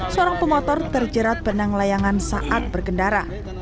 seorang pemotor terjerat benang layangan saat berkendara